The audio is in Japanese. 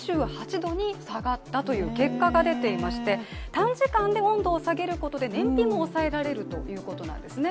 短時間で温度を下げることで燃費も抑えられるということなんですね。